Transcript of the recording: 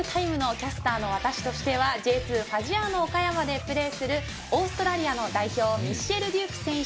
キャスターの私としてはＪ２、ファジアーノ岡山でプレーするオーストラリア代表のミッチェル・デューク選手。